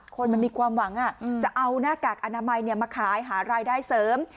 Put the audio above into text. คนมันมีความหวังจะเอาหน้ากากอนามัยมาขายหารายได้เสริม